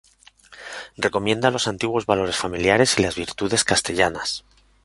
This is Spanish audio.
Recomienda los antiguos valores familiares y las virtudes castellanas.